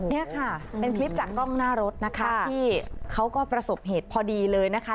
นี่ค่ะเป็นคลิปจากกล้องหน้ารถนะคะที่เขาก็ประสบเหตุพอดีเลยนะคะ